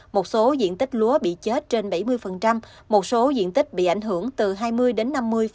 một số diện tích lúa bị chết trên bảy mươi một số diện tích bị ảnh hưởng từ hai mươi đến năm mươi